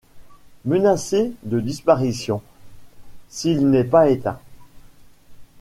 Menacé de disparition, s'il n'est pas éteint.